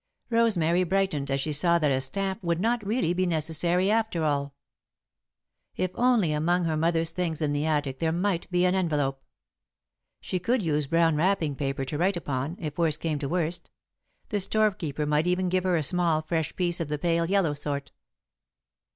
Rosemary brightened as she saw that a stamp would not really be necessary after all. [Sidenote: Rosemary Takes Possession of the Box] If only, among her mother's things in the attic, there might be an envelope! She could use brown wrapping paper to write upon, if worst came to worst the storekeeper might even give her a small, fresh piece of the pale yellow sort.